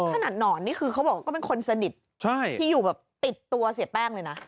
หนอนนี่คือเขาบอกว่าก็เป็นคนสนิทที่อยู่แบบติดตัวเสียแป้งเลยนะ